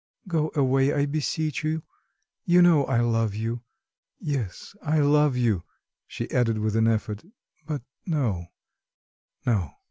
Go away, I beseech you. You know I love you... yes, I love you," she added with an effort; "but no... no."